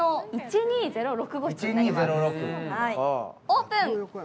オープン。